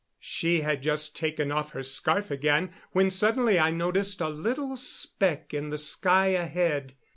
She had just taken off her scarf again when suddenly I noticed a little speck in the sky ahead.